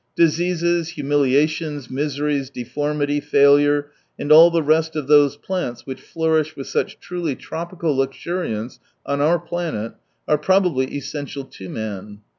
Diseases, humilia tions, miseries, deformity, failure, and all the rest of those plants which flourish with such truly tropical luxuriance on our planet, are probably essential to man.